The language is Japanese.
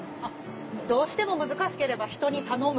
どうしても難しければ人に頼む。